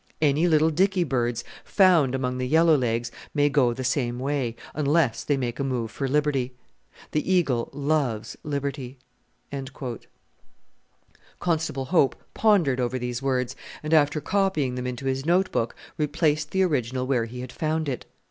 Any little dicky birds found among the Yellow legs may go the same way, unless they make a move for liberty. The Eagle loves liberty." Constable Hope pondered over these words, and after copying them into his notebook replaced the original where he had found it.